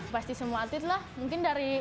pasti semua atlet lah mungkin dari